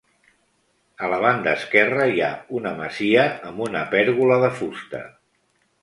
A la banda esquerra, hi ha una masia amb una pèrgola de fusta.